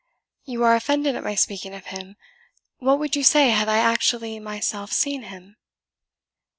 You are offended at my speaking of him, what would you say had I actually myself seen him?"